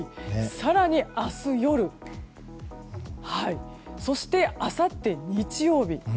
更に明日夜そして、あさって日曜日。